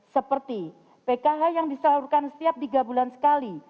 seperti pkh yang diseluruhkan setiap tiga bulan sekali